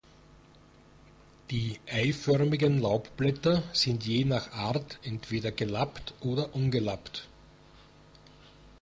Die eiförmigen Laubblätter sind je nach Art entweder gelappt oder ungelappt.